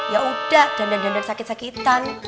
ya udah dand dandan sakit sakitan